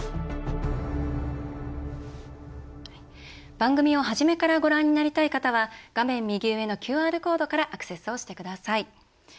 番組を初めからご覧になりたい方は画面右上のＱＲコードからアクセスをしてください。